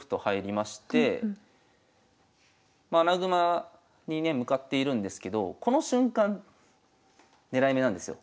まあ穴熊にね向かっているんですけどこの瞬間狙い目なんですよ。